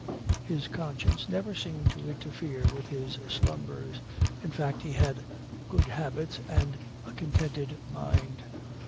His conscience never seemed to interfere with his slumbers. In fact, he had good habits and a contented mind.